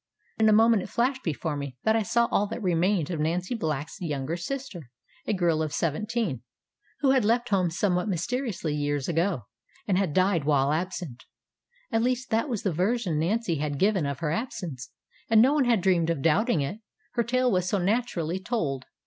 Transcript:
In a moment it flashed before me that I saw all that remained of Nancy BlackŌĆÖs young sister, a girl of seventeen, who had left home somewhat mysteriously years ago, and had died while absent at least, that was the version Nancy had given of her absence, and no one had dreamed of doubting it, her tale was so naturally told.